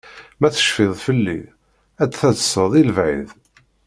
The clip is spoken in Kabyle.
Ma tecfiḍ felli, ad d-teḍseḍ i lebɛid.